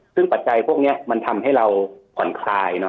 ซึ่งปัจจัยพวกนี้มันทำให้เราผ่อนคลาย